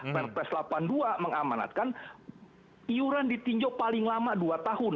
perpres delapan puluh dua mengamanatkan iuran ditinjau paling lama dua tahun